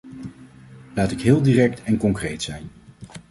Laat ik heel direct en concreet zijn.